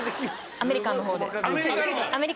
アメリカの方？